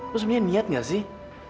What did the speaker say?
lu sebenernya niat gak sih